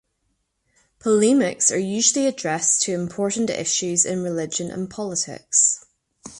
Polemics are usually addressed to important issues in religion and politics.